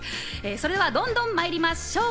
それではどんどんまいりましょう。